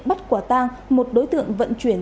bắt quả tang một đối tượng vận chuyển